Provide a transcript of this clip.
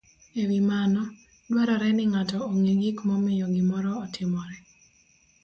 e wi mano, dwarore ni ng'ato ong'e gik momiyo gimoro otimore.